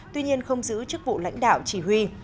tuy nhiên không giữ chức vụ lãnh đạo chỉ huy